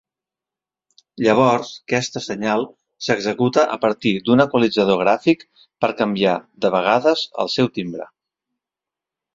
Llavors, questa senyal s'executa a partir d'un equalitzador gràfic per canviar de vegades el seu timbre.